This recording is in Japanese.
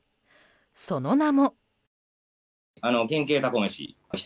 その名も。